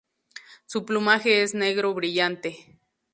Su plumaje es negro brillante.